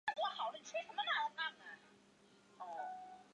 岛上有一个度假村和一个简易机场。